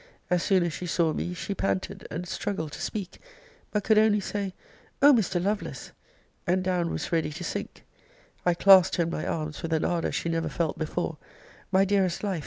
As soon as she saw me, she panted, and struggled to speak; but could only say, O Mr. Lovelace! and down was ready to sink. I clasped her in my arms with an ardour she never felt before: My dearest life!